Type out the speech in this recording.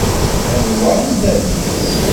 Anwa i d bab-is?